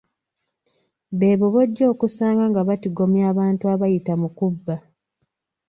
Beebo b’ojja okusanga nga batigomya abantu abayita mu kubba.